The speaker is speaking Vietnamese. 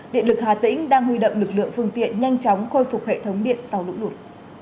điện lực hà tĩnh đang huy động lực lượng phương tiện nhanh chóng khôi phục hệ thống điện sau lũ lụt